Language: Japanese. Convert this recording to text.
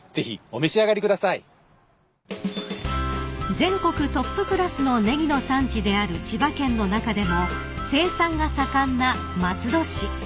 ［全国トップクラスのネギの産地である千葉県の中でも生産が盛んな松戸市］